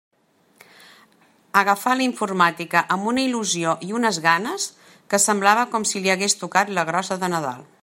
Agafà la informàtica amb una il·lusió i unes ganes, que semblava com si li hagués tocat la grossa de Nadal.